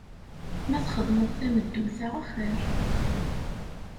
Ma txedmeḍ tameddut-a axir.